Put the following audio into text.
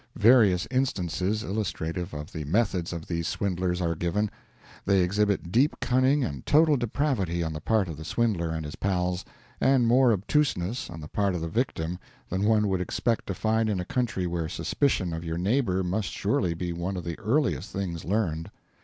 Various instances illustrative of the methods of these swindlers are given. They exhibit deep cunning and total depravity on the part of the swindler and his pals, and more obtuseness on the part of the victim than one would expect to find in a country where suspicion of your neighbor must surely be one of the earliest things learned.